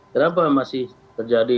kenapa masih terjadi